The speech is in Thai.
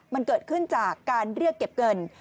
มันเกิดขึ้นจากการเรียกเก็บเงิน